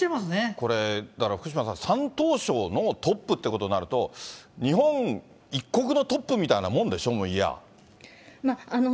これ、だから、福島さん、山東省のトップということになると、日本一国のトップみたいなもんでしょ、言えば。